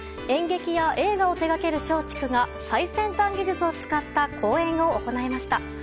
演劇や映画を手掛ける松竹が最先端技術を使った公演を行いました。